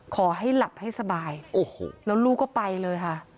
ขอให้หลับให้สบายโอ้โหแล้วลูกก็ไปเลยค่ะ